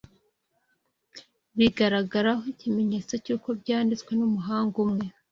bigaragaraho ikimenyetso cy’uko byanditswe n’umuhanga umwe,